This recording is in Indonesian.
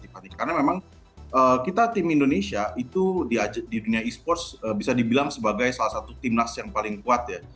karena memang kita tim indonesia itu di dunia esports bisa dibilang sebagai salah satu timnas yang paling kuat ya